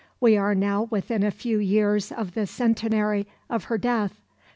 We are now within a few years of the centenary of her death.